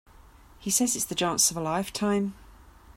He says it's the chance of a lifetime.